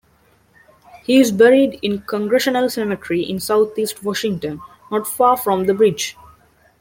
He is buried in Congressional Cemetery in Southeast Washington, not far from the bridge.